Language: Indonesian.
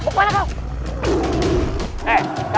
ketama dan menggunakan